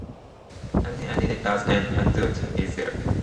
Everything I needed as an antidote is there.